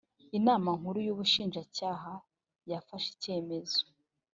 inama nkuru y ubushinjacyaha yafashe ikemezo